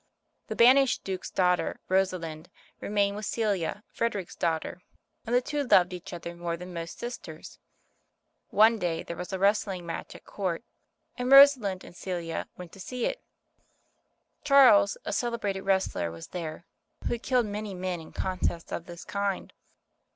The banished Duke's daughter, Rosalind, remained with Celia, Frederick's daughter, and the two loved each other more than most sisters. One day there was a wrestling matc'^ at Court, and Rosalind and Celia went to see it. Charles, a celebrated wrestler, was there, who had killed many men In contests of this kind.